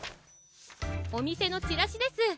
おみせのチラシです。